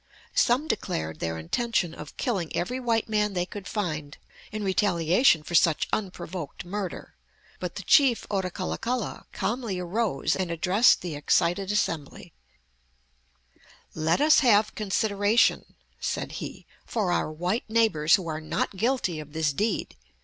Some declared their intention of killing every white man they could find in retaliation for such unprovoked murder; but the chief Ottakullakulla calmly arose and addressed the excited assembly: "Let us have consideration," said he, "for our white neighbors who are not guilty of this deed.